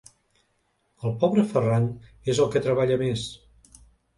El pobre Ferran és el que treballa més.